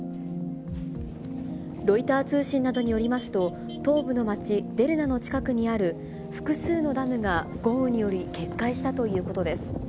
ロイター通信などによりますと、東部の町デルナの近くにある複数のダムが豪雨により決壊したということです。